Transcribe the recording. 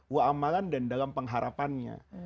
wa amalan dan dalam pengharapannya